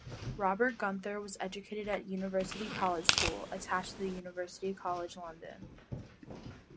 Robert Gunther was educated at University College School, attached to University College London.